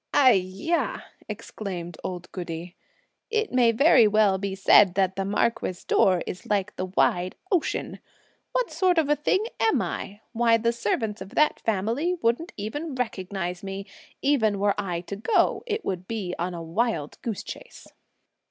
"Ai Ya!" exclaimed old Goody, "It may very well be said that the marquis' door is like the wide ocean! what sort of thing am I? why the servants of that family wouldn't even recognise me! even were I to go, it would be on a wild goose chase."